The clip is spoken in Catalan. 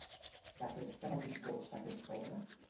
De què estava composta aquest obra?